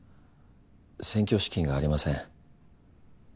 選挙資金がありません。